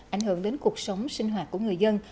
ảnh hưởng đến cuộc sống sinh hoạt của người dân